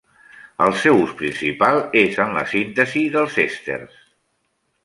El seu ús principal és en la síntesi dels èsters.